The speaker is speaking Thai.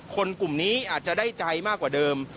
กลุ่มนี้อาจจะได้ใจมากกว่าเดิม